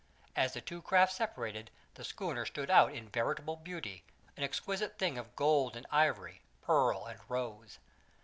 As the two craft separated the schooner stood out in veritable beauty, an exquisite thing of gold and ivory, pearl and rose.